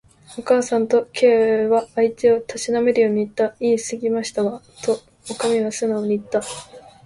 「おかみさん」と、Ｋ は相手をたしなめるようにいった。「いいすぎましたわ」と、おかみはすなおにいった。